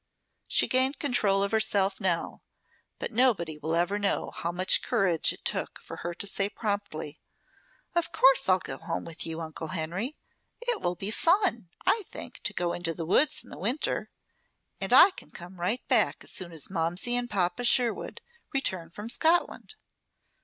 She gained control of herself now; but nobody will ever know how much courage it took for her to say, promptly: "Of course I will go home with you, Uncle Henry. It will be fun, I think, to go into the woods in the winter. And, and I can come right back as soon as Momsey and Papa Sherwood return from Scotland."